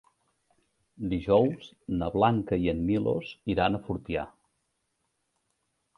Dijous na Blanca i en Milos iran a Fortià.